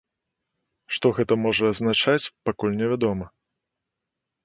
Што гэта можа азначаць, пакуль невядома.